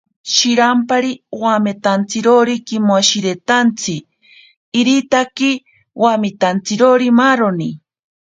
Shirampari wamitantsirori tsimashiritantsi, iritaki wamitantsirori maaroni.